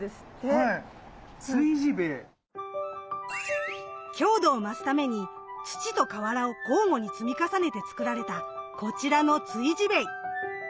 築地塀⁉強度を増すために土と瓦を交互に積み重ねて作られたこちらの築地塀。